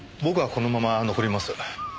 僕はこのまま残ります。